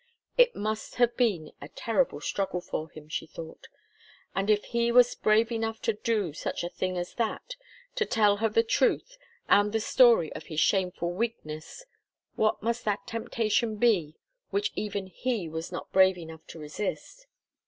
It must have been a terrible struggle for him, she thought. And if he was brave enough to do such a thing as that, to tell the truth to her, and the story of his shameful weakness, what must that temptation be which even he was not brave enough to resist?